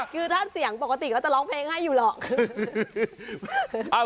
คือถ้าเสียงปกติเขาจะร้องเพลงให้อยู่หรอก